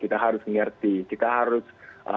kita harus berbicara kita harus mengobrol